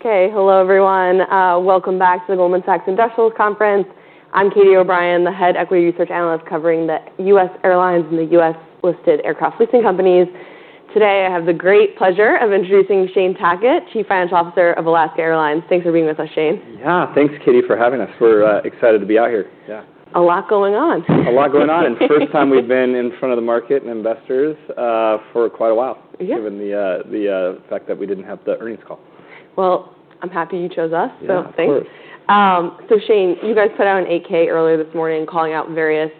Okay, hello everyone. Welcome back to the Goldman Sachs Industrials Conference. I'm Katie O'Brien, the Head Equity Research Analyst covering the U.S. Airlines and the U.S.-listed aircraft leasing companies. Today I have the great pleasure of introducing Shane Tackett, Chief Financial Officer of Alaska Airlines. Thanks for being with us, Shane. Yeah, thanks Katie for having us. We're excited to be out here. A lot going on. A lot going on, and first time we've been in front of the market and investors for quite a while, given the fact that we didn't have the earnings call. I'm happy you chose us, so thanks. Shane, you guys put out an 8-K earlier this morning calling out various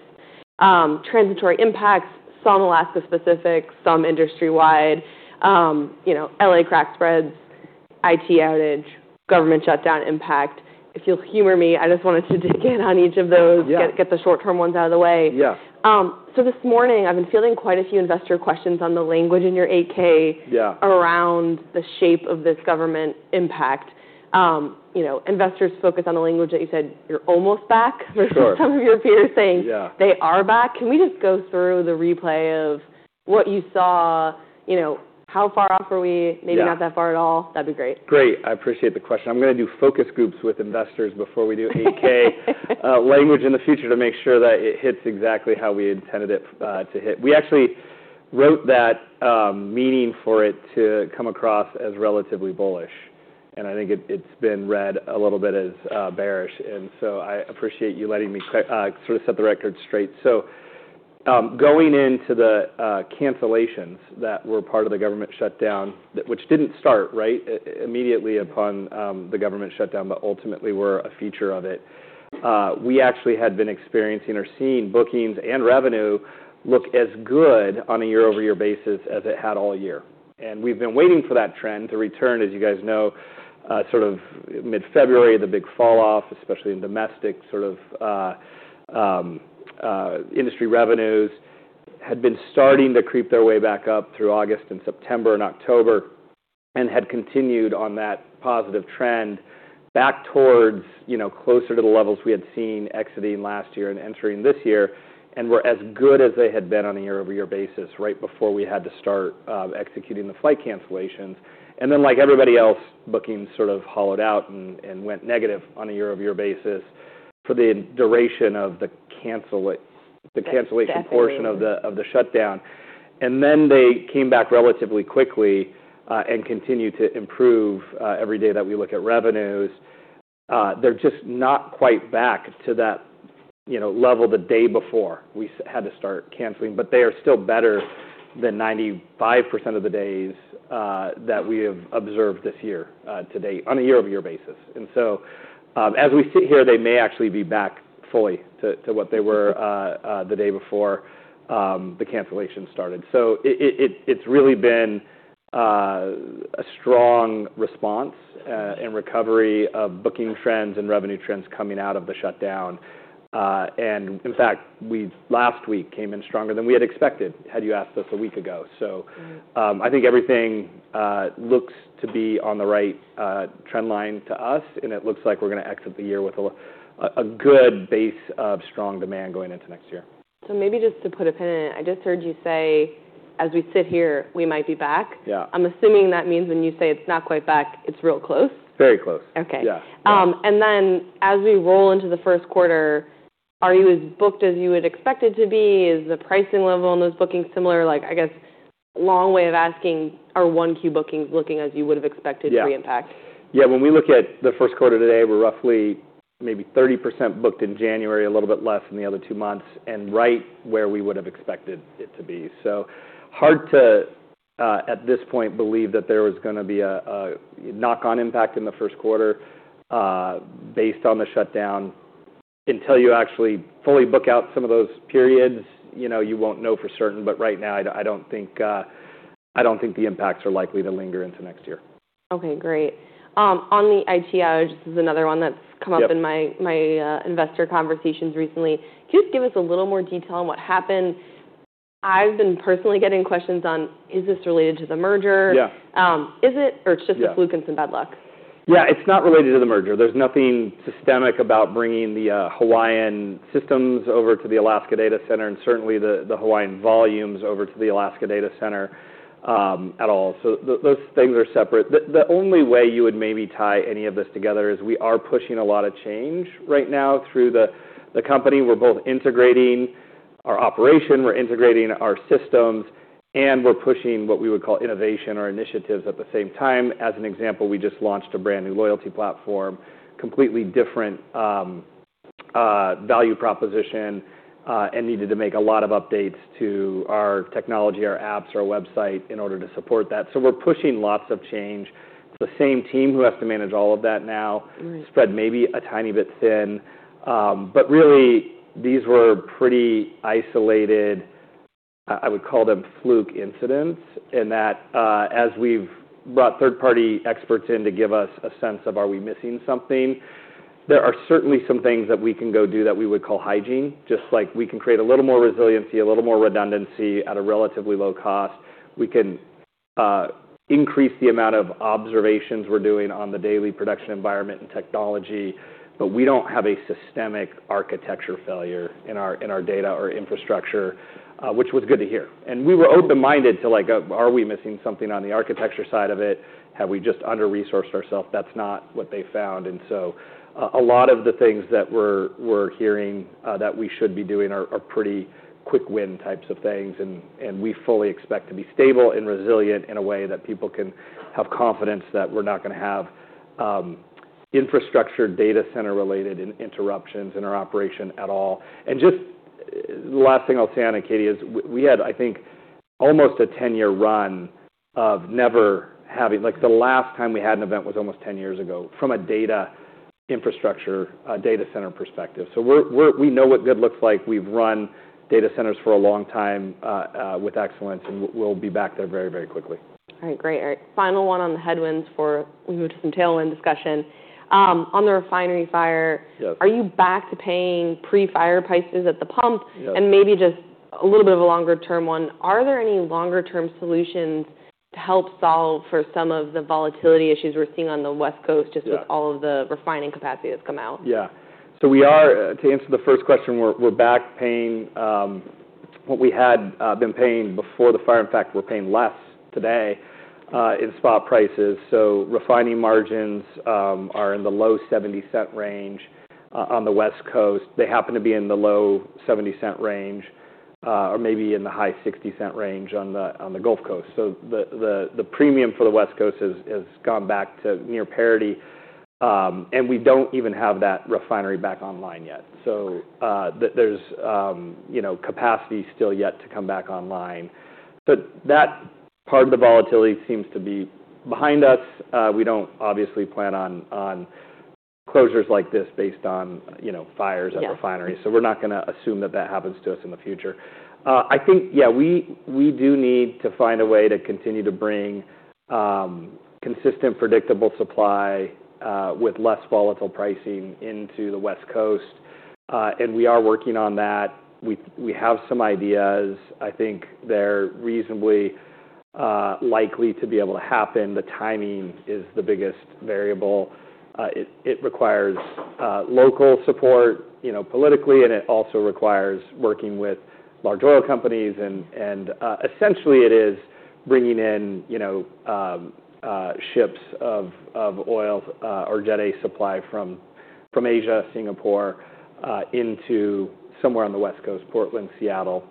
transitory impacts, some Alaska-specific, some industry-wide, LA crack spreads, IT outage, government shutdown impact. If you'll humor me, I just wanted to dig in on each of those, get the short-term ones out of the way. This morning I've been fielding quite a few investor questions on the language in your 8-K around the shape of this government impact. Investors focus on the language that you said you're almost back, which some of your peers say they are back. Can we just go through the replay of what you saw? How far off are we? Maybe not that far at all. That'd be great. Great, I appreciate the question. I'm going to do focus groups with investors before we do 8-K language in the future to make sure that it hits exactly how we intended it to hit. We actually wrote that meaning for it to come across as relatively bullish, and I think it's been read a little bit as bearish, and so I appreciate you letting me sort of set the record straight, so going into the cancellations that were part of the government shutdown, which didn't start immediately upon the government shutdown, but ultimately were a feature of it, we actually had been experiencing or seeing bookings and revenue look as good on a year-over-year basis as it had all year. We've been waiting for that trend to return, as you guys know. Sort of mid-February, the big falloff, especially in domestic industry revenues, had been starting to creep their way back up through August and September and October, and had continued on that positive trend back towards closer to the levels we had seen exiting last year and entering this year, and were as good as they had been on a year-over-year basis right before we had to start executing the flight cancellations. Then, like everybody else, bookings sort of hollowed out and went negative on a year-over-year basis for the duration of the cancellation portion of the shutdown. Then they came back relatively quickly and continued to improve every day that we look at revenues. They're just not quite back to that level the day before we had to start canceling, but they are still better than 95% of the days that we have observed this year to date on a year-over-year basis, and so as we sit here, they may actually be back fully to what they were the day before the cancellations started. So it's really been a strong response and recovery of booking trends and revenue trends coming out of the shutdown, and in fact, we last week came in stronger than we had expected had you asked us a week ago. So I think everything looks to be on the right trend line to us, and it looks like we're going to exit the year with a good base of strong demand going into next year. So maybe just to put a pin in it, I just heard you say, as we sit here, we might be back. I'm assuming that means when you say it's not quite back, it's real close. Very close. Okay. And then as we roll into the first quarter, are you as booked as you had expected to be? Is the pricing level on those bookings similar? I guess long way of asking, are Oneworld bookings looking as you would have expected pre-impact? Yeah, when we look at the first quarter today, we're roughly maybe 30% booked in January, a little bit less in the other two months, and right where we would have expected it to be. So hard to at this point believe that there was going to be a knock-on impact in the first quarter based on the shutdown. Until you actually fully book out some of those periods, you won't know for certain, but right now I don't think the impacts are likely to linger into next year. Okay, great. On the IT outages, this is another one that's come up in my investor conversations recently. Can you just give us a little more detail on what happened? I've been personally getting questions on, is this related to the merger? Is it, or it's just the fluke, and some bad luck? Yeah, it's not related to the merger. There's nothing systemic about bringing the Hawaiian systems over to the Alaska data center and certainly the Hawaiian volumes over to the Alaska data center at all. So those things are separate. The only way you would maybe tie any of this together is we are pushing a lot of change right now through the company. We're both integrating our operation, we're integrating our systems, and we're pushing what we would call innovation or initiatives at the same time. As an example, we just launched a brand new loyalty platform, completely different value proposition, and needed to make a lot of updates to our technology, our apps, our website in order to support that. So we're pushing lots of change. It's the same team who has to manage all of that now, spread maybe a tiny bit thin. But really, these were pretty isolated. I would call them fluke incidents, in that as we've brought third-party experts in to give us a sense of, are we missing something? There are certainly some things that we can go do that we would call hygiene. Just like we can create a little more resiliency, a little more redundancy at a relatively low cost. We can increase the amount of observations we're doing on the daily production environment and technology, but we don't have a systemic architecture failure in our data or infrastructure, which was good to hear. And we were open-minded to like, are we missing something on the architecture side of it? Have we just under-resourced ourselves? That's not what they found. And so a lot of the things that we're hearing that we should be doing are pretty quick-win types of things, and we fully expect to be stable and resilient in a way that people can have confidence that we're not going to have infrastructure data center-related interruptions in our operation at all. And just the last thing I'll say on it, Katie, is we had, I think, almost a 10-year run of never having. The last time we had an event was almost 10 years ago from a data infrastructure data center perspective. So we know what good looks like. We've run data centers for a long time with excellence, and we'll be back there very, very quickly. All right, great. All right, final one on the headwinds before we move to some tailwind discussion. On the refinery fire, are you back to paying pre-fire prices at the pump? And maybe just a little bit of a longer-term one. Are there any longer-term solutions to help solve for some of the volatility issues we're seeing on the West Coast just with all of the refining capacity that's come out? Yeah. So we are, to answer the first question, we're back paying what we had been paying before the fire. In fact, we're paying less today in spot prices. So refining margins are in the low $0.70 range on the West Coast. They happen to be in the low $0.70 range or maybe in the high $0.60 range on the Gulf Coast. So the premium for the West Coast has gone back to near parity, and we don't even have that refinery back online yet. So there's capacity still yet to come back online. But that part of the volatility seems to be behind us. We don't obviously plan on closures like this based on fires at refineries, so we're not going to assume that that happens to us in the future. I think, yeah, we do need to find a way to continue to bring consistent predictable supply with less volatile pricing into the West Coast, and we are working on that. We have some ideas. I think they're reasonably likely to be able to happen. The timing is the biggest variable. It requires local support politically, and it also requires working with large oil companies, and essentially, it is bringing in ships of oil or Jet A supply from Asia, Singapore, into somewhere on the West Coast, Portland, Seattle,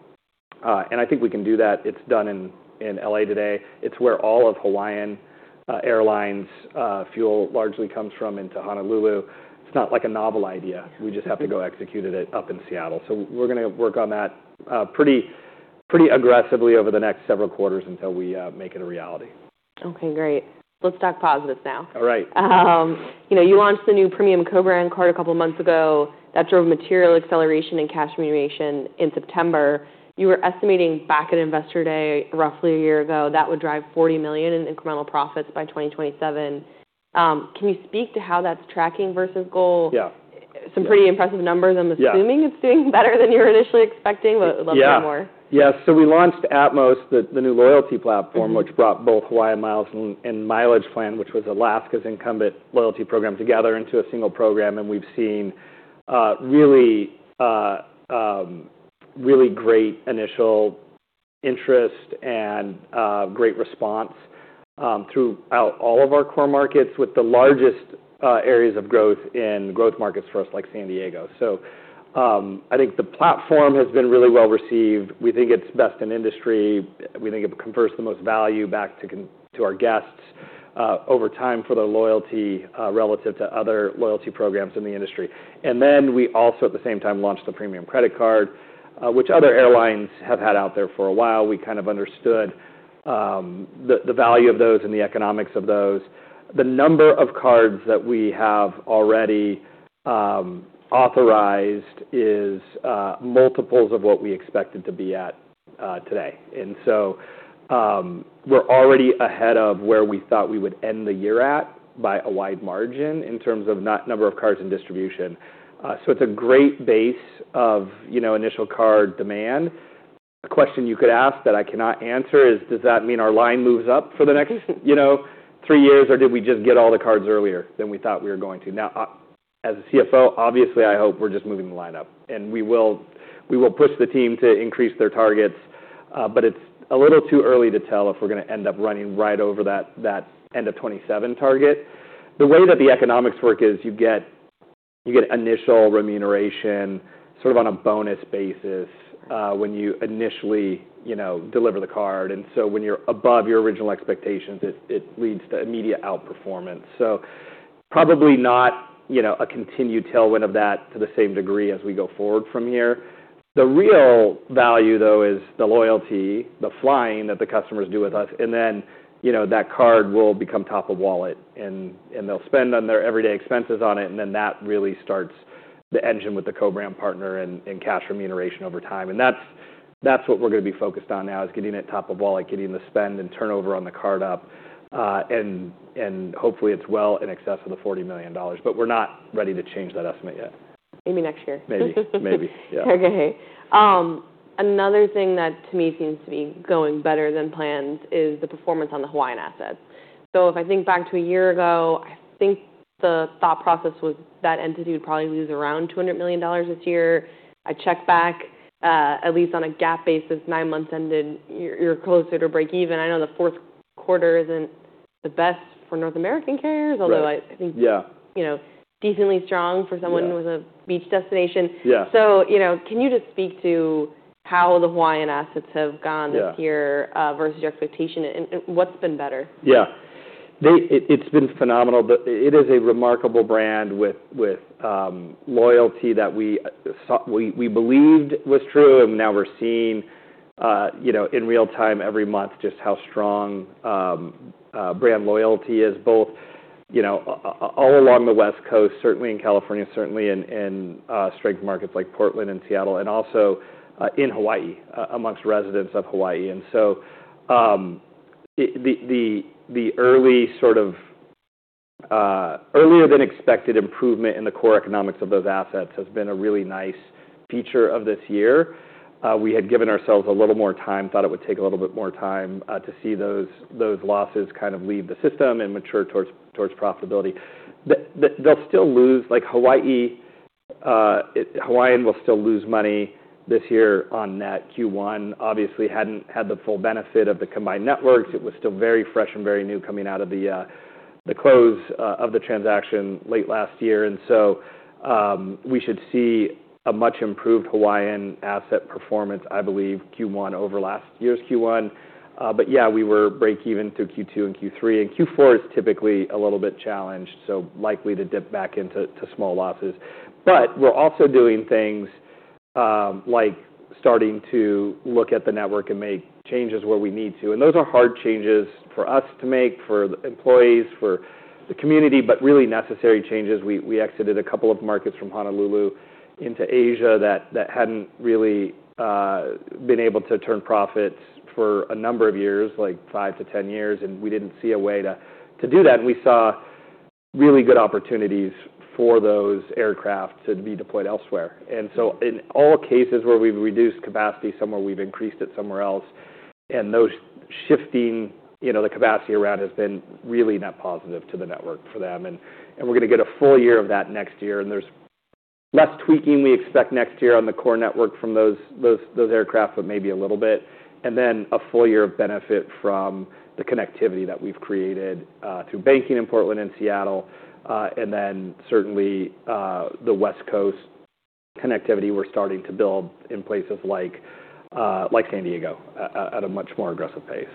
and I think we can do that. It's done in LA today. It's where all of Hawaiian Airlines fuel largely comes from into Honolulu. It's not like a novel idea. We just have to go execute it up in Seattle, so we're going to work on that pretty aggressively over the next several quarters until we make it a reality. Okay, great. Let's talk positives now. All right. You launched the new premium co-brand card a couple of months ago. That drove material acceleration and cash remuneration in September. You were estimating back at investor day roughly a year ago that would drive $40 million in incremental profits by 2027. Can you speak to how that's tracking versus goal? Some pretty impressive numbers, I'm assuming it's doing better than you were initially expecting, but love to hear more. Yeah. Yeah, so we launched Atmos, the new loyalty platform, which brought both HawaiianMiles and Mileage Plan, which was Alaska's incumbent loyalty program, together into a single program. And we've seen really great initial interest and great response throughout all of our core markets, with the largest areas of growth in growth markets for us, like San Diego. So I think the platform has been really well received. We think it's best in industry. We think it confers the most value back to our guests over time for their loyalty relative to other loyalty programs in the industry. And then we also, at the same time, launched the premium credit card, which other airlines have had out there for a while. We kind of understood the value of those and the economics of those. The number of cards that we have already authorized is multiples of what we expected to be at today, and so we're already ahead of where we thought we would end the year at by a wide margin in terms of number of cards in distribution, so it's a great base of initial card demand. The question you could ask that I cannot answer is, does that mean our line moves up for the next three years, or did we just get all the cards earlier than we thought we were going to? Now, as a CFO, obviously, I hope we're just moving the line up, and we will push the team to increase their targets, but it's a little too early to tell if we're going to end up running right over that end of 2027 target. The way that the economics work is you get initial remuneration sort of on a bonus basis when you initially deliver the card. And so when you're above your original expectations, it leads to immediate outperformance. So probably not a continued tailwind of that to the same degree as we go forward from here. The real value, though, is the loyalty, the flying that the customers do with us, and then that card will become top of wallet, and they'll spend on their everyday expenses on it, and then that really starts the engine with the co-brand partner and cash remuneration over time. And that's what we're going to be focused on now, is getting it top of wallet, getting the spend and turnover on the card up, and hopefully it's well in excess of the $40 million, but we're not ready to change that estimate yet. Maybe next year. Maybe. Maybe. Yeah. Okay. Another thing that to me seems to be going better than planned is the performance on the Hawaiian assets. So if I think back to a year ago, I think the thought process was that entity would probably lose around $200 million this year. I checked back, at least on a GAAP basis, nine months ended, you're closer to break even. I know the fourth quarter isn't the best for North American carriers, although I think decently strong for someone with a beach destination. So can you just speak to how the Hawaiian assets have gone this year versus your expectation? And what's been better? Yeah. It's been phenomenal. It is a remarkable brand with loyalty that we believed was true, and now we're seeing in real time every month just how strong brand loyalty is, both all along the West Coast, certainly in California, certainly in key markets like Portland and Seattle, and also in Hawaii amongst residents of Hawaii. And so the early sort of earlier than expected improvement in the core economics of those assets has been a really nice feature of this year. We had given ourselves a little more time, thought it would take a little bit more time to see those losses kind of leave the system and mature towards profitability. They'll still lose like Hawaii will still lose money this year on net Q1. Obviously, hadn't had the full benefit of the combined networks. It was still very fresh and very new coming out of the close of the transaction late last year. And so we should see a much improved Hawaiian asset performance, I believe, Q1 over last year's Q1. But yeah, we were break even through Q2 and Q3, and Q4 is typically a little bit challenged, so likely to dip back into small losses. But we're also doing things like starting to look at the network and make changes where we need to. And those are hard changes for us to make, for employees, for the community, but really necessary changes. We exited a couple of markets from Honolulu into Asia that hadn't really been able to turn profits for a number of years, like five to 10 years, and we didn't see a way to do that. And we saw really good opportunities for those aircraft to be deployed elsewhere. And so, in all cases where we've reduced capacity somewhere, we've increased it somewhere else, and those shifting the capacity around has been really net positive to the network for them. And we're going to get a full year of that next year, and there's less tweaking we expect next year on the core network from those aircraft, but maybe a little bit. And then a full year of benefit from the connectivity that we've created through banking in Portland and Seattle, and then certainly the West Coast connectivity we're starting to build in places like San Diego at a much more aggressive pace.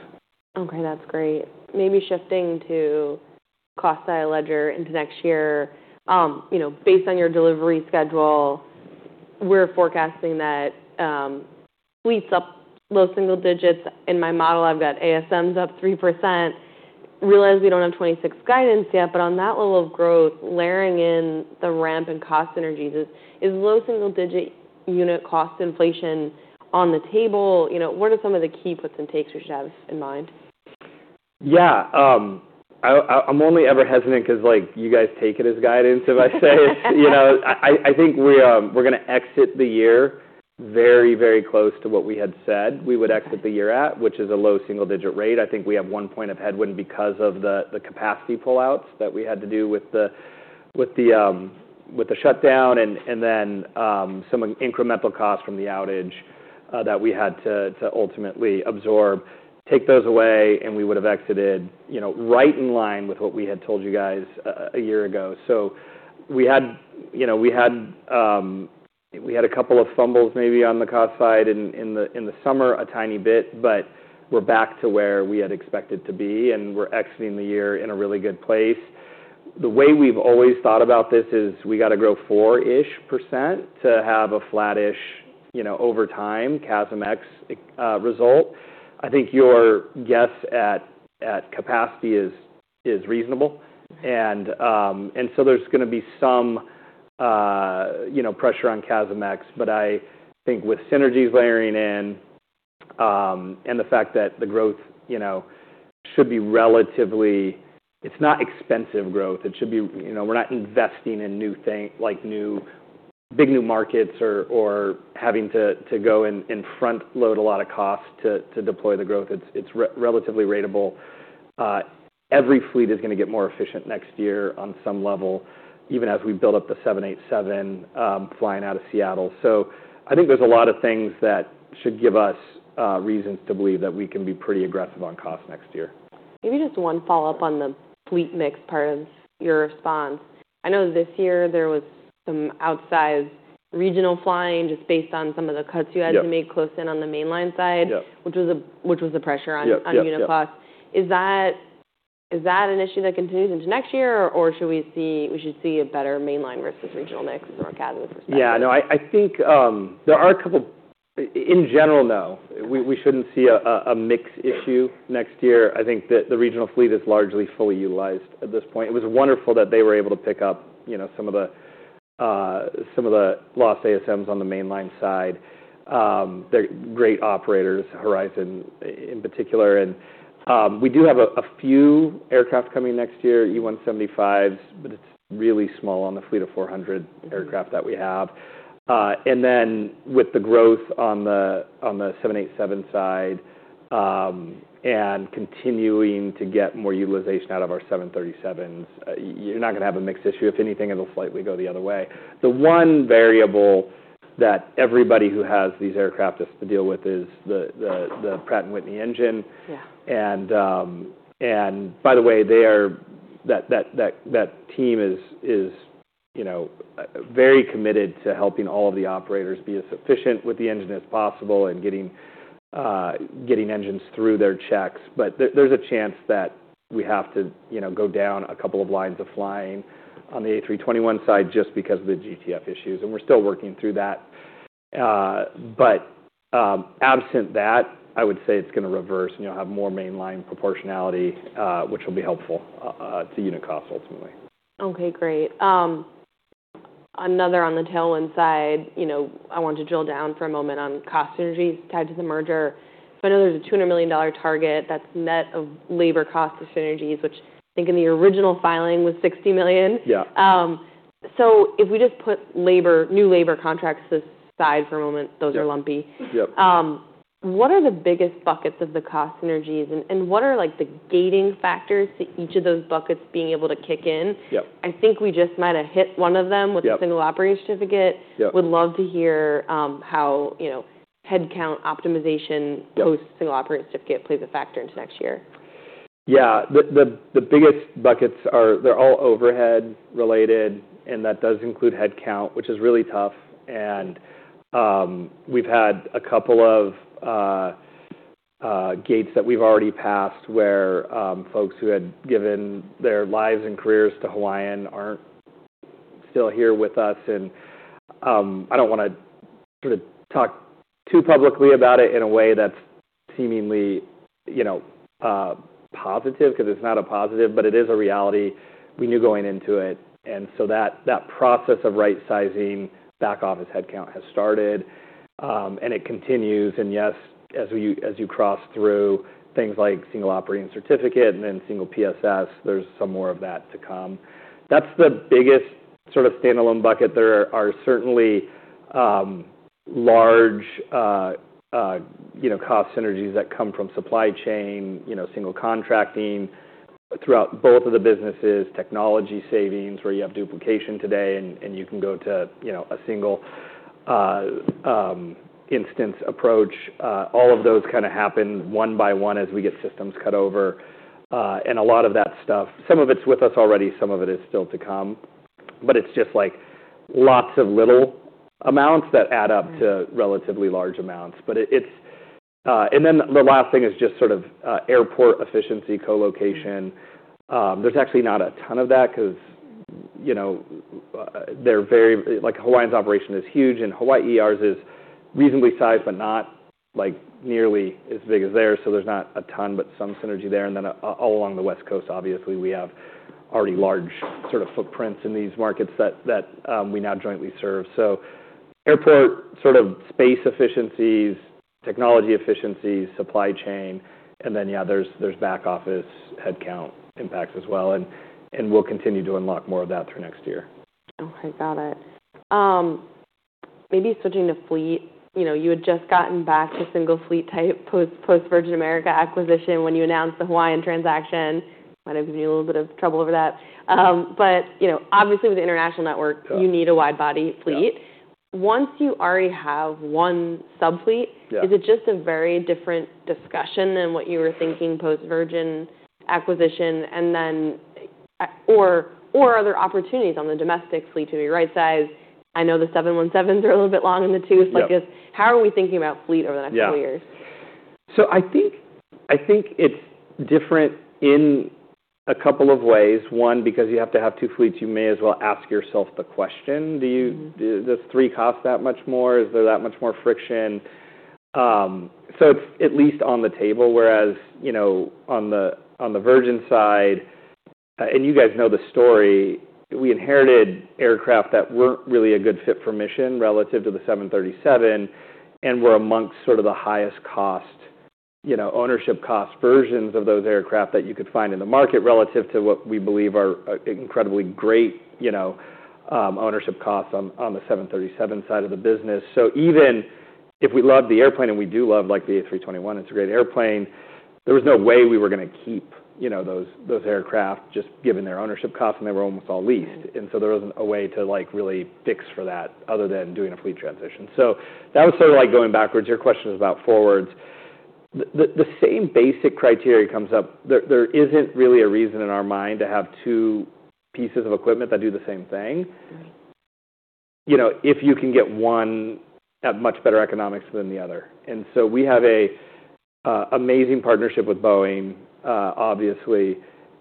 Okay, that's great. Maybe shifting to costs that I'll get into next year. Based on your delivery schedule, we're forecasting that fleet's up low single digits. In my model, I've got ASMs up 3%. Realize we don't have 2026 guidance yet, but on that level of growth, layering in the ramp and cost synergies is low single digit unit cost inflation on the table. What are some of the key puts and takes we should have in mind? Yeah. I'm only ever hesitant because you guys take it as guidance if I say it. I think we're going to exit the year very, very close to what we had said we would exit the year at, which is a low single-digit rate. I think we have one point of headwind because of the capacity pullouts that we had to do with the shutdown and then some incremental cost from the outage that we had to ultimately absorb. Take those away, and we would have exited right in line with what we had told you guys a year ago. So we had a couple of fumbles maybe on the cost side in the summer, a tiny bit, but we're back to where we had expected to be, and we're exiting the year in a really good place. The way we've always thought about this is we got to grow 4-ish% to have a flattish over time CASM-ex result. I think your guess at capacity is reasonable, and so there's going to be some pressure on CASM-ex, but I think with synergies layering in and the fact that the growth should be relatively. It's not expensive growth. It should be we're not investing in new things, like big new markets or having to go and front-load a lot of cost to deploy the growth. It's relatively ratable. Every fleet is going to get more efficient next year on some level, even as we build up the 787 flying out of Seattle. So I think there's a lot of things that should give us reasons to believe that we can be pretty aggressive on cost next year. Maybe just one follow-up on the fleet mix part of your response. I know this year there was some outsized regional flying just based on some of the cuts you had to make close in on the mainline side, which was the pressure on unit cost. Is that an issue that continues into next year, or should we see a better mainline versus regional mix or CASM-ex? Yeah. No, I think there are a couple in general, no. We shouldn't see a mix issue next year. I think the regional fleet is largely fully utilized at this point. It was wonderful that they were able to pick up some of the lost ASMs on the mainline side. They're great operators, Horizon in particular. And we do have a few aircraft coming next year, E175s, but it's really small on the fleet of 400 aircraft that we have. And then with the growth on the 787 side and continuing to get more utilization out of our 737s, you're not going to have a mixed issue. If anything, it'll slightly go the other way. The one variable that everybody who has these aircraft has to deal with is the Pratt & Whitney engine. By the way, that team is very committed to helping all of the operators be as efficient with the engine as possible and getting engines through their checks. There's a chance that we have to go down a couple of lines of flying on the A321 side just because of the GTF issues, and we're still working through that. Absent that, I would say it's going to reverse, and you'll have more mainline proportionality, which will be helpful to unit cost ultimately. Okay, great. Another on the tailwind side, I want to drill down for a moment on cost synergies tied to the merger. So I know there's a $200 million target that's net of labor cost synergies, which I think in the original filing was $60 million. So if we just put new labor contracts aside for a moment, those are lumpy. What are the biggest buckets of the cost synergies, and what are the gating factors to each of those buckets being able to kick in? I think we just might have hit one of them with the single operating certificate. Would love to hear how headcount optimization post single operating certificate plays a factor into next year. Yeah. The biggest buckets are they're all overhead related, and that does include headcount, which is really tough. And we've had a couple of gates that we've already passed where folks who had given their lives and careers to Hawaiian aren't still here with us. And I don't want to sort of talk too publicly about it in a way that's seemingly positive because it's not a positive, but it is a reality. We knew going into it. And so that process of right-sizing back office headcount has started, and it continues. And yes, as you cross through things like single operating certificate and then single PSS, there's some more of that to come. That's the biggest sort of standalone bucket. There are certainly large cost synergies that come from supply chain, single contracting throughout both of the businesses, technology savings where you have duplication today, and you can go to a single instance approach. All of those kind of happen one by one as we get systems cut over. And a lot of that stuff, some of it's with us already, some of it is still to come, but it's just like lots of little amounts that add up to relatively large amounts. And then the last thing is just sort of airport efficiency co-location. There's actually not a ton of that because they're very like Hawaiian's operation is huge, and Horizon's is reasonably sized, but not nearly as big as theirs. So there's not a ton, but some synergy there. And then all along the West Coast, obviously, we have already large sort of footprints in these markets that we now jointly serve. So airport sort of space efficiencies, technology efficiencies, supply chain, and then yeah, there's back office headcount impacts as well. And we'll continue to unlock more of that through next year. Okay, got it. Maybe switching to fleet. You had just gotten back to single fleet type post Virgin America acquisition when you announced the Hawaiian transaction. Might have given you a little bit of trouble over that. But obviously, with the international network, you need a wide-body fleet. Once you already have one sub-fleet, is it just a very different discussion than what you were thinking post Virgin acquisition? Or are there opportunities on the domestic fleet to be right-sized? I know the 717s are a little bit long in the tooth. How are we thinking about fleet over the next couple of years? So I think it's different in a couple of ways. One, because you have to have two fleets, you may as well ask yourself the question, does three cost that much more? Is there that much more friction? So it's at least on the table. Whereas on the Virgin side, and you guys know the story, we inherited aircraft that weren't really a good fit for mission relative to the 737, and we're amongst sort of the highest cost ownership cost versions of those aircraft that you could find in the market relative to what we believe are incredibly great ownership costs on the 737 side of the business. So even if we loved the airplane, and we do love the A321, it's a great airplane, there was no way we were going to keep those aircraft just given their ownership costs, and they were almost all leased. And so there wasn't a way to really fix for that other than doing a fleet transition. So that was sort of like going backwards. Your question is about forwards. The same basic criteria comes up. There isn't really a reason in our mind to have two pieces of equipment that do the same thing if you can get one at much better economics than the other. And so we have an amazing partnership with Boeing, obviously,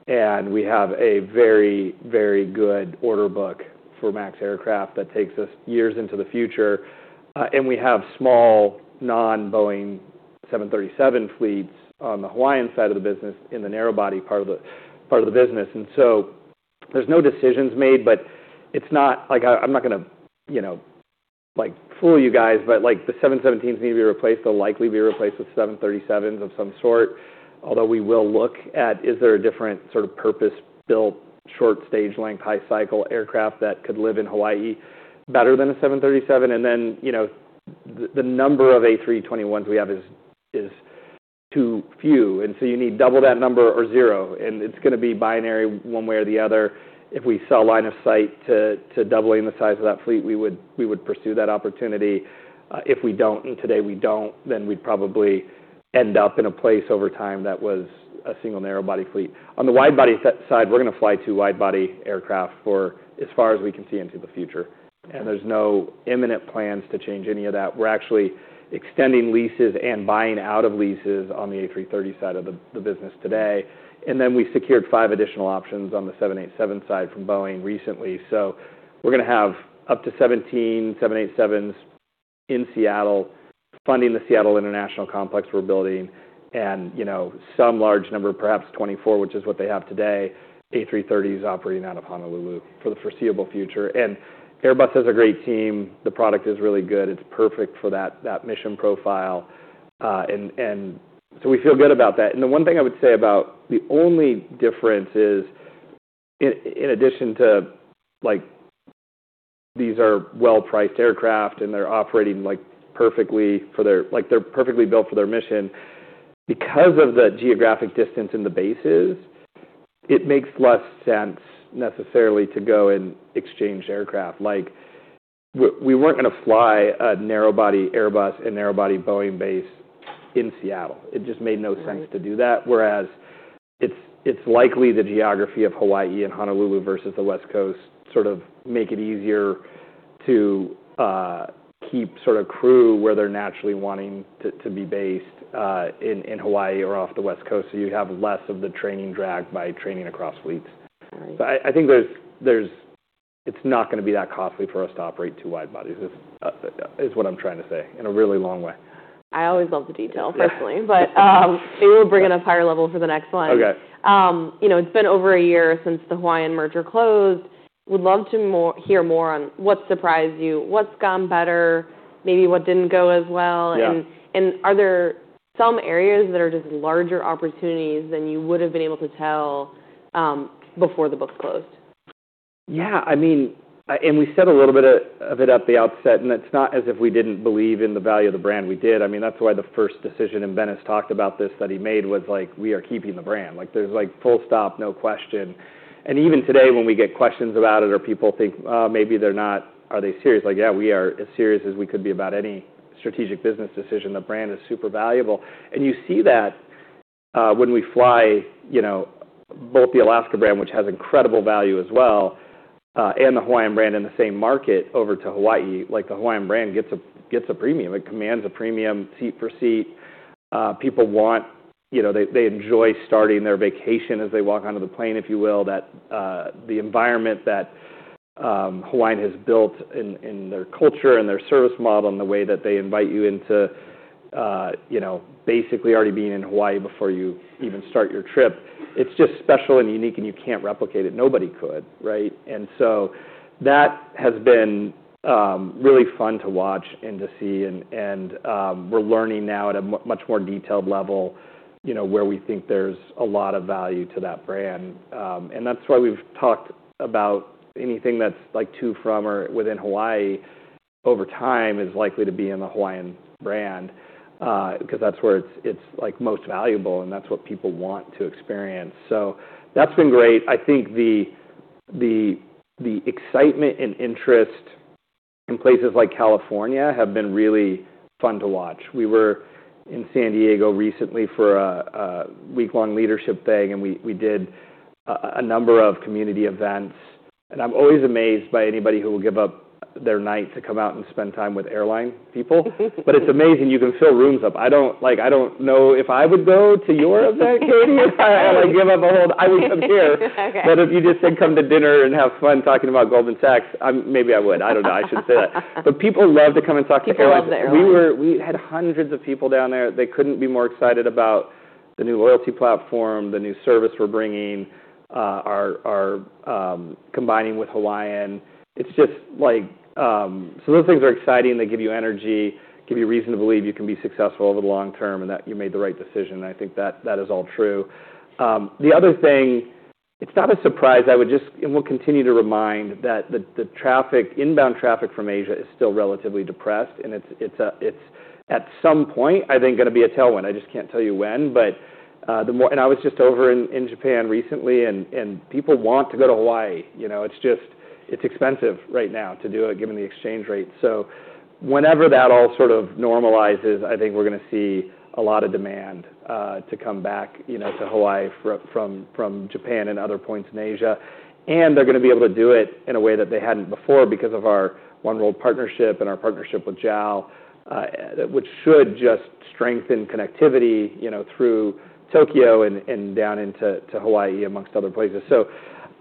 and we have a very, very good order book for MAX Aircraft that takes us years into the future. And we have small non-Boeing 737 fleets on the Hawaiian side of the business in the narrow-body part of the business. And so there's no decisions made, but it's not like I'm not going to fool you guys, but the 717s need to be replaced. They'll likely be replaced with 737s of some sort. Although we will look at, is there a different sort of purpose-built short stage length high-cycle aircraft that could live in Hawaii better than a 737? And then the number of A321s we have is too few. And so you need double that number or zero. And it's going to be binary one way or the other. If we saw line of sight to doubling the size of that fleet, we would pursue that opportunity. If we don't, and today we don't, then we'd probably end up in a place over time that was a single narrow-body fleet. On the wide-body side, we're going to fly two wide-body aircraft for as far as we can see into the future. And there's no imminent plans to change any of that. We're actually extending leases and buying out of leases on the A330 side of the business today. And then we secured five additional options on the 787 side from Boeing recently. So we're going to have up to 17 787s in Seattle funding the Seattle International Complex we're building and some large number, perhaps 24, which is what they have today, A330s operating out of Honolulu for the foreseeable future. And Airbus has a great team. The product is really good. It's perfect for that mission profile. And so we feel good about that. And the one thing I would say about the only difference is, in addition to these are well-priced aircraft and they're operating perfectly for their mission. They're perfectly built for their mission. Because of the geographic distance in the bases, it makes less sense necessarily to go and exchange aircraft. We weren't going to fly a narrow-body Airbus and narrow-body Boeing base in Seattle. It just made no sense to do that. Whereas it's likely the geography of Hawaii and Honolulu versus the West Coast sort of make it easier to keep sort of crew where they're naturally wanting to be based in Hawaii or off the West Coast. So you have less of the training drag by training across fleets. So I think it's not going to be that costly for us to operate two wide-bodies, is what I'm trying to say in a really long way. I always love the detail personally, but maybe we'll bring it up higher level for the next one. It's been over a year since the Hawaiian merger closed. Would love to hear more on what surprised you, what's gone better, maybe what didn't go as well, and are there some areas that are just larger opportunities than you would have been able to tell before the book closed? Yeah. I mean, and we said a little bit of it at the outset, and it's not as if we didn't believe in the value of the brand. We did. I mean, that's why the first decision and Ben has talked about this that he made was like, "We are keeping the brand." There's full stop, no question. And even today when we get questions about it, or people think, "Maybe they're not, are they serious?" Yeah, we are as serious as we could be about any strategic business decision. The brand is super valuable. And you see that when we fly both the Alaska brand, which has incredible value as well, and the Hawaiian brand in the same market over to Hawaii, the Hawaiian brand gets a premium. It commands a premium seat for seat. People want, they enjoy starting their vacation as they walk onto the plane, if you will, that the environment that Hawaiian has built in their culture and their service model and the way that they invite you into basically already being in Hawaii before you even start your trip. It's just special and unique, and you can't replicate it. Nobody could, right? And so that has been really fun to watch and to see. And we're learning now at a much more detailed level where we think there's a lot of value to that brand. And that's why we've talked about anything that's too from or within Hawaii over time is likely to be in the Hawaiian brand because that's where it's most valuable, and that's what people want to experience. So that's been great. I think the excitement and interest in places like California have been really fun to watch. We were in San Diego recently for a week-long leadership thing, and we did a number of community events, and I'm always amazed by anybody who will give up their night to come out and spend time with airline people, but it's amazing. You can fill rooms up. I don't know if I would go to your event, Katie, if I had to give up a whole night. I would come here, but if you just said, "Come to dinner and have fun talking about Goldman Sachs," maybe I would. I don't know. I shouldn't say that, but people love to come and talk to airlines. They love the airlines. We had hundreds of people down there. They couldn't be more excited about the new loyalty platform, the new service we're bringing, our combining with Hawaiian. It's just like so those things are exciting. They give you energy, give you reason to believe you can be successful over the long term and that you made the right decision, and I think that is all true. The other thing, it's not a surprise. I would just, and we'll continue to remind that the inbound traffic from Asia is still relatively depressed, and it's at some point, I think, going to be a tailwind. I just can't tell you when, and I was just over in Japan recently, and people want to go to Hawaii. It's expensive right now to do it given the exchange rate. So whenever that all sort of normalizes, I think we're going to see a lot of demand to come back to Hawaii from Japan and other points in Asia. And they're going to be able to do it in a way that they hadn't before because of our Oneworld partnership and our partnership with JAL, which should just strengthen connectivity through Tokyo and down into Hawaii amongst other places. So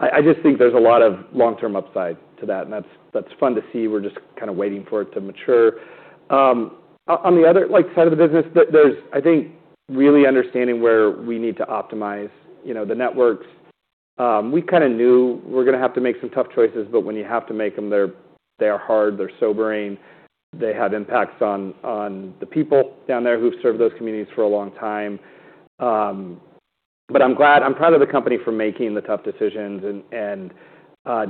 I just think there's a lot of long-term upside to that, and that's fun to see. We're just kind of waiting for it to mature. On the other side of the business, there's, I think, really understanding where we need to optimize the networks. We kind of knew we were going to have to make some tough choices, but when you have to make them, they are hard. They're sobering. They have impacts on the people down there who've served those communities for a long time. But I'm proud of the company for making the tough decisions and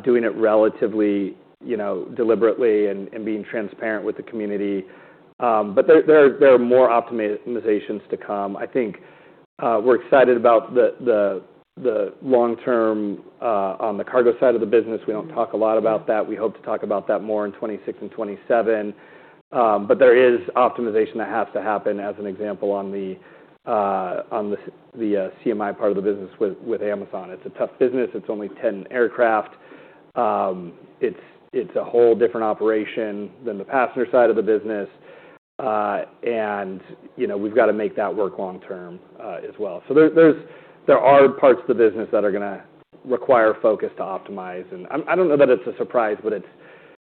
doing it relatively deliberately and being transparent with the community. But there are more optimizations to come. I think we're excited about the long-term on the cargo side of the business. We don't talk a lot about that. We hope to talk about that more in 2026 and 2027. But there is optimization that has to happen, as an example, on the CMI part of the business with Amazon. It's a tough business. It's only 10 aircraft. It's a whole different operation than the passenger side of the business. And we've got to make that work long-term as well. So there are parts of the business that are going to require focus to optimize. I don't know that it's a surprise, but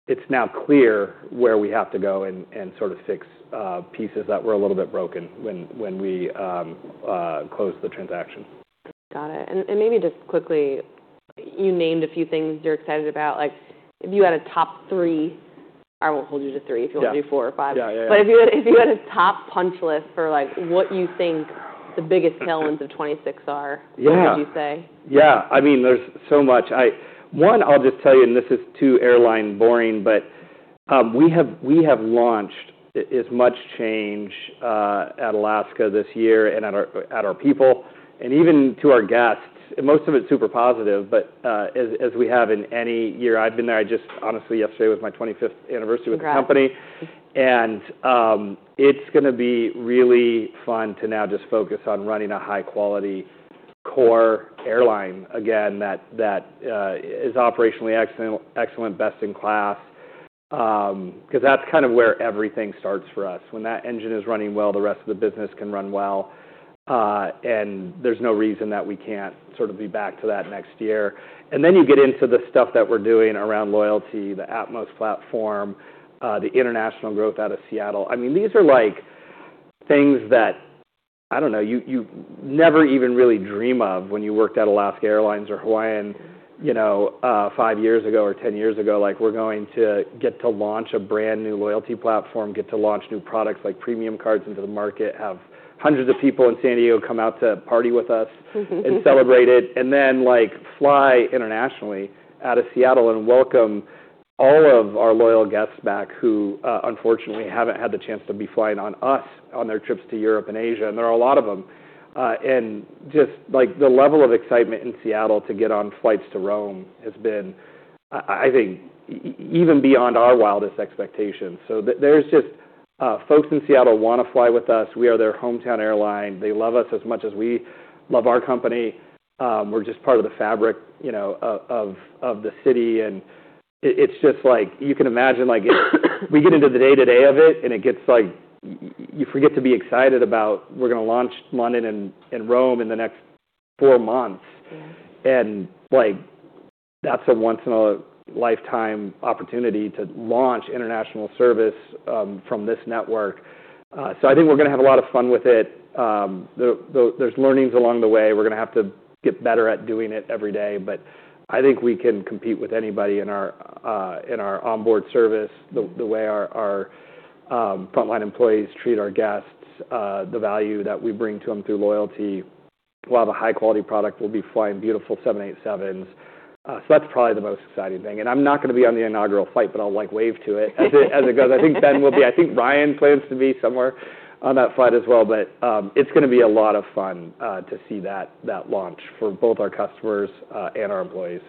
it's now clear where we have to go and sort of fix pieces that were a little bit broken when we closed the transaction. Got it. And maybe just quickly, you named a few things you're excited about. If you had a top three, I won't hold you to three. If you want to do four or five. But if you had a top punch list for what you think the biggest tailwinds of 2026 are, what would you say? Yeah. I mean, there's so much. One, I'll just tell you, and this is too airline boring, but we have launched as much change at Alaska this year and at our people and even to our guests, and most of it's super positive, but as we have in any year I've been there. I just honestly, yesterday was my 25th anniversary with the company, and it's going to be really fun to now just focus on running a high-quality core airline again that is operationally excellent, best in class, because that's kind of where everything starts for us. When that engine is running well, the rest of the business can run well, and there's no reason that we can't sort of be back to that next year, and then you get into the stuff that we're doing around loyalty, the Atmos platform, the international growth out of Seattle. I mean, these are things that, I don't know, you never even really dream of when you worked at Alaska Airlines or Hawaiian five years ago or 10 years ago. We're going to get to launch a brand new loyalty platform, get to launch new products like premium cards into the market, have hundreds of people in San Diego come out to party with us and celebrate it, and then fly internationally out of Seattle and welcome all of our loyal guests back who unfortunately haven't had the chance to be flying on us on their trips to Europe and Asia, and there are a lot of them, and just the level of excitement in Seattle to get on flights to Rome has been, I think, even beyond our wildest expectations, so there's just folks in Seattle want to fly with us. We are their hometown airline. They love us as much as we love our company. We're just part of the fabric of the city. And it's just like you can imagine we get into the day-to-day of it, and it gets like you forget to be excited about we're going to launch London and Rome in the next four months. And that's a once-in-a-lifetime opportunity to launch international service from this network. So I think we're going to have a lot of fun with it. There's learnings along the way. We're going to have to get better at doing it every day. But I think we can compete with anybody in our onboard service, the way our frontline employees treat our guests, the value that we bring to them through loyalty. We'll have a high-quality product. We'll be flying beautiful 787s. So that's probably the most exciting thing. I'm not going to be on the inaugural flight, but I'll wave to it as it goes. I think Ben will be. I think Ryan plans to be somewhere on that flight as well. It's going to be a lot of fun to see that launch for both our customers and our employees.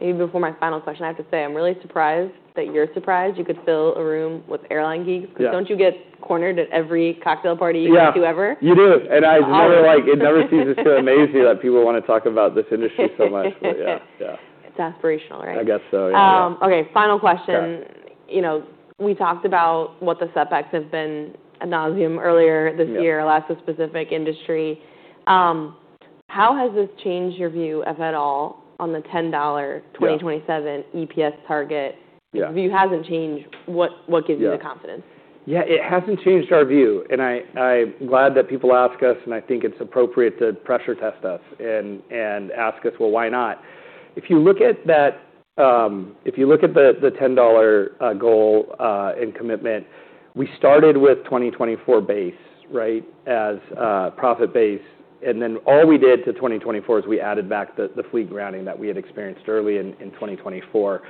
Maybe before my final question, I have to say I'm really surprised that you're surprised you could fill a room with airline geeks. Because don't you get cornered at every cocktail party you go to ever? Yeah, you do. And it never ceases to amaze me that people want to talk about this industry so much. It's aspirational, right? I guess so, yeah. Okay. Final question. We talked about what the setbacks have been ad nauseam earlier this year, Alaska-specific industry. How has this changed your view, if at all, on the $10 2027 EPS target? If it hasn't changed, what gives you the confidence? Yeah, it hasn't changed our view. And I'm glad that people ask us, and I think it's appropriate to pressure test us and ask us, "Well, why not?" If you look at that, if you look at the $10 goal and commitment, we started with 2024 base, right, as profit base. And then all we did to 2024 is we added back the fleet grounding that we had experienced early in 2024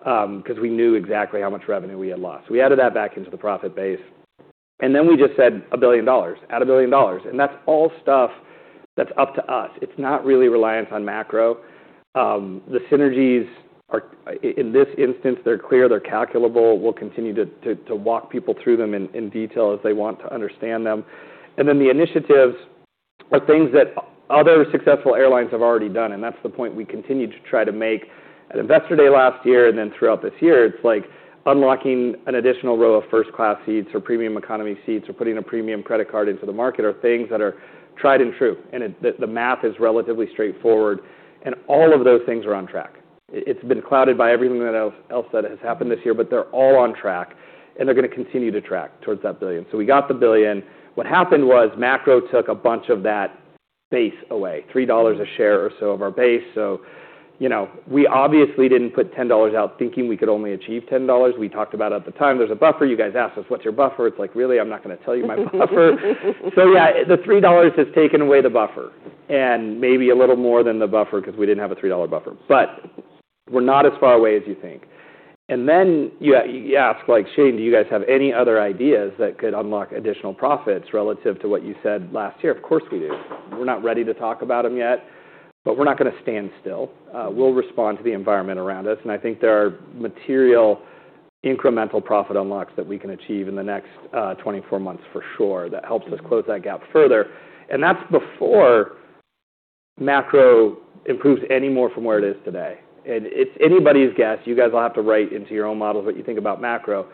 because we knew exactly how much revenue we had lost. So we added that back into the profit base. And then we just said, "$1 billion. Add $1 billion." And that's all stuff that's up to us. It's not really reliance on macro. The synergies, in this instance, they're clear. They're calculable. We'll continue to walk people through them in detail as they want to understand them. Then the initiatives are things that other successful airlines have already done. That's the point we continue to try to make at Investor Day last year and then throughout this year. It's like unlocking an additional row of first-class seats or premium economy seats or putting a premium credit card into the market are things that are tried and true. The math is relatively straightforward. All of those things are on track. It's been clouded by everything else that has happened this year, but they're all on track. They're going to continue to track towards that billion. We got the billion. What happened was macro took a bunch of that base away, $3 a share or so of our base. We obviously didn't put $10 out thinking we could only achieve $10. We talked about it at the time. There's a buffer. You guys asked us, "What's your buffer?" It's like, "Really, I'm not going to tell you my buffer." So yeah, the $3 has taken away the buffer and maybe a little more than the buffer because we didn't have a $3 buffer. But we're not as far away as you think. And then you ask, "Shane, do you guys have any other ideas that could unlock additional profits relative to what you said last year?" Of course we do. We're not ready to talk about them yet, but we're not going to stand still. We'll respond to the environment around us. And I think there are material incremental profit unlocks that we can achieve in the next 24 months for sure that helps us close that gap further. And that's before macro improves any more from where it is today. And it's anybody's guess. You guys will have to write into your own models what you think about macro,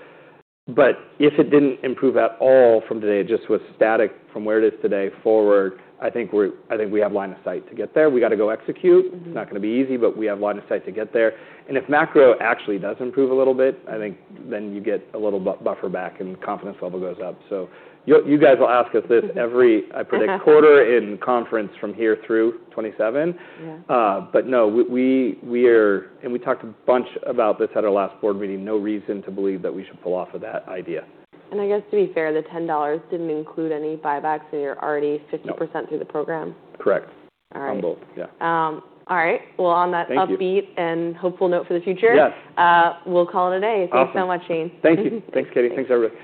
but if it didn't improve at all from today, just with static from where it is today forward, I think we have line of sight to get there. We got to go execute. It's not going to be easy, but we have line of sight to get there, and if macro actually does improve a little bit, I think then you get a little buffer back and confidence level goes up, so you guys will ask us this every quarter, I predict, in conference from here through 2027. But no, we are, and we talked a bunch about this at our last board meeting. No reason to believe that we should pull off of that idea. I guess, to be fair, the $10 didn't include any buybacks, and you're already 50% through the program? Correct. Humble, yeah. All right. Well, on that upbeat and hopeful note for the future, we'll call it a day. Thanks so much, Shane. Thank you. Thanks, Katie. Thanks everyone.